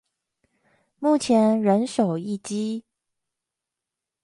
目前人手一機